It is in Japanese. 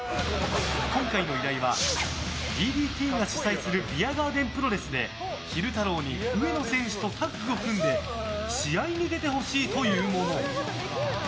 今回の依頼はＤＤＴが主催するビアガーデンプロレスで昼太郎に上野選手とタッグを組んで試合に出てほしいというもの。